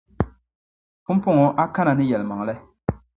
Pumpɔŋɔ a kana ni yεlimaŋli